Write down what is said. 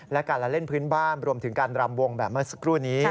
และการละเล่นพื้นบ้านรวมถึงการรำวงแบบเมื่อสักครู่นี้